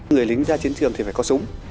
người lính ra chiến trường thì phải có súng